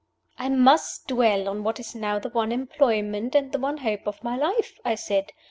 "I must dwell on what is now the one employment and the one hope of my life," I said.